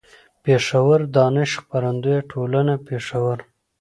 پېښور: دانش خپرندويه ټولنه، پېښور